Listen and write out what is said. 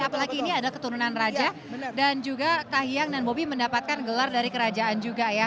apalagi ini adalah keturunan raja dan juga kahiyang dan bobi mendapatkan gelar dari kerajaan juga ya